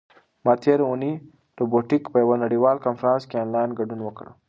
ما تېره اونۍ د روبوټیک په یوه نړیوال کنفرانس کې آنلاین ګډون وکړ.